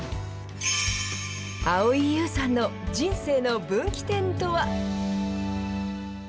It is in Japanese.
蒼井優さんの人生の分岐点とは。